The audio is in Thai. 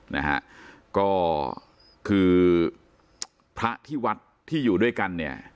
นะฮะก็คือพระที่วัดที่อยู่ด้วยกันเนี่ย